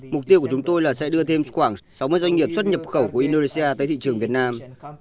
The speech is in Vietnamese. mục tiêu của chúng tôi là sẽ đưa thêm khoảng sáu mươi doanh nghiệp xuất nhập khẩu của indonesia tới thị trường việt nam